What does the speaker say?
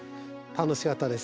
楽しかったです。